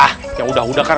ah yang udah udah kan